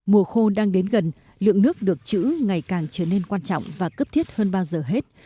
mùa khô đang đến gần lượng nước được chữ ngày càng trở nên quan trọng và cấp thiết hơn bao giờ hết